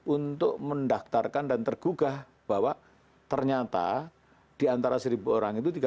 untuk mendaftarkan dan tergugah bahwa ternyata di antara seribu orang itu